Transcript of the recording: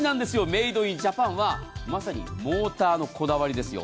メイドインジャパンはまさにモーターのこだわりですよ。